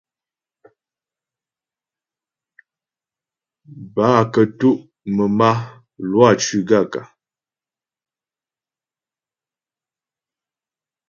Bə́ a kətʉ' mə̀m a, Lwâ cʉ́ gaə̂kə́ ?